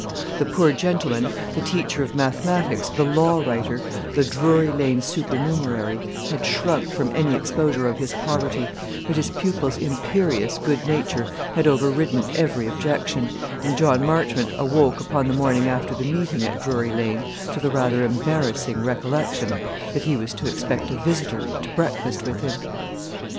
The poor gentleman, the teacher of mathematics, the law writer, the Drury Lane supernumerary, had shrunk from any exposure of his poverty; but his pupil's imperious good nature had overridden every objection, and John Marchmont awoke upon the morning after the meeting at Drury Lane to the rather embarrassing recollection that he was to expect a visitor to breakfast with him.